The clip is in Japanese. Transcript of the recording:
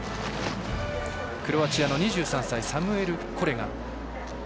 クロアチアの２３歳サムエル・コレガ。